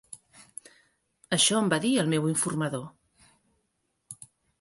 Això em va dir el meu informador.